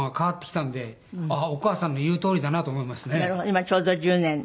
今ちょうど１０年。